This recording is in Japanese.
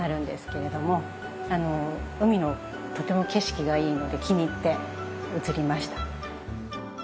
海のとても景色がいいので気に入って移りました。